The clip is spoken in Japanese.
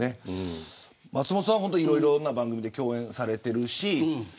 松本さんは、いろいろな番組で共演されているし